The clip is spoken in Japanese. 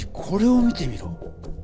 これを見てみろ。